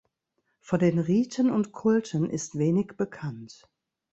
Von den Riten und Kulten ist wenig bekannt.